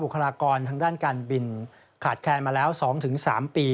คลากรทางด้านการบินขาดแคลนมาแล้ว๒๓ปี